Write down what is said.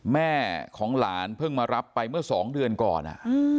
แม่ของหลานเพิ่งมารับไปเมื่อ๒เดือนก่อน